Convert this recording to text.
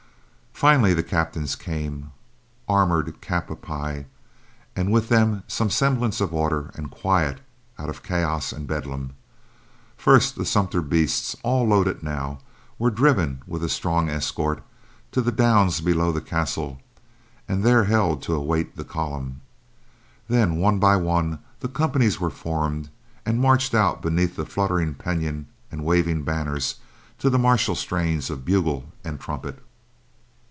Finally the captains came, armored cap a pie, and with them some semblance of order and quiet out of chaos and bedlam. First the sumpter beasts, all loaded now, were driven, with a strong escort, to the downs below the castle and there held to await the column. Then, one by one, the companies were formed and marched out beneath fluttering pennon and waving banner to the martial strains of bugle and trumpet.